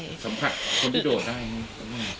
สัมผัสคนที่โดดได้